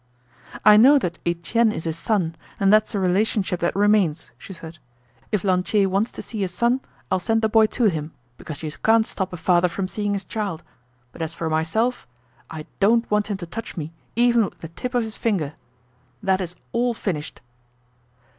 "I know that Etienne is his son, and that's a relationship that remains," she said. "If Lantier wants to see his son, I'll send the boy to him because you can't stop a father from seeing his child. But as for myself, I don't want him to touch me even with the tip of his finger. That is all finished."